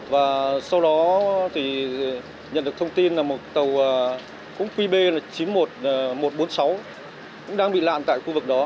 và sau đó thì nhận được thông tin là một tàu cũng qb chín mươi một trăm bốn mươi sáu cũng đang bị lạn tại khu vực đó